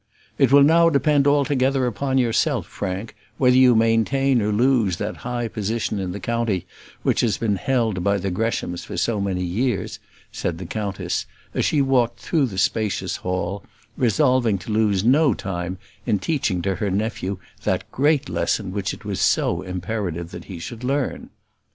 "It will now depend altogether upon yourself, Frank, whether you maintain or lose that high position in the county which has been held by the Greshams for so many years," said the countess, as she walked through the spacious hall, resolving to lose no time in teaching to her nephew that great lesson which it was so imperative that he should learn.